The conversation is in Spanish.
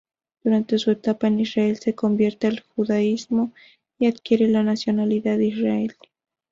Durante su etapa en Israel se convierte al judaísmo y adquiere la nacionalidad israelí.